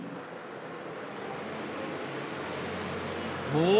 ・お！